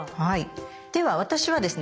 では私はですね